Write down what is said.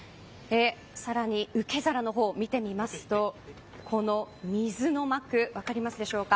さらに受け皿の方を見てみますとこの水の膜分かりますでしょうか。